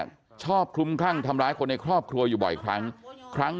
มันเจ็บไหมแล้วทำลายแล้วมันแทง